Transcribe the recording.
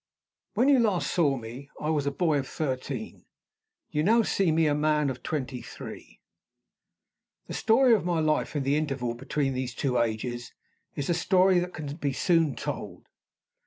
WHEN YOU last saw me, I was a boy of thirteen. You now see me a man of twenty three. The story of my life, in the interval between these two ages, is a story that can be soon told.